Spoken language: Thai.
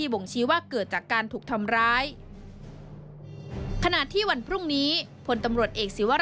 แฟนเขาเป็นพลิกศาสตร์